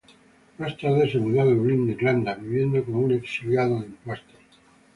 Más tarde se mudó a Dublín, Irlanda, viviendo como un exiliado de impuestos.